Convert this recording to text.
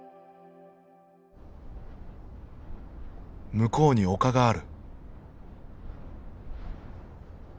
向こうに丘がある。